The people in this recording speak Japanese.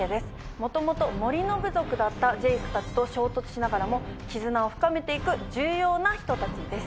元々森の部族だったジェイクたちと衝突しながらも絆を深めて行く重要な人たちです。